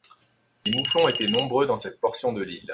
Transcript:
Les mouflons étaient nombreux dans cette portion de l’île.